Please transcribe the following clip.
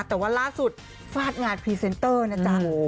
แต่ว่าล่าสุดฟาดงานพรีเซนเตอร์นะจ๊ะ